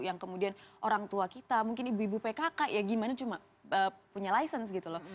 yang kemudian orang tua kita mungkin ibu ibu pkk ya gimana cuma punya license gitu loh